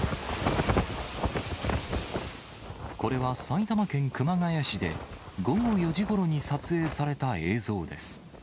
これは埼玉県熊谷市で、午後４時ごろに撮影された映像です。